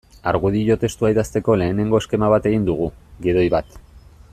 Argudio testua idazteko lehenengo eskema bat egin dugu, gidoi bat.